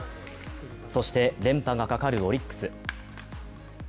そして連覇がかかるオリックス。